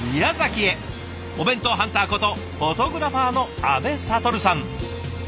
お弁当ハンターことフォトグラファーの阿部了さん。